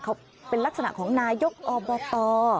เขาเป็นลักษณะของนายกอบต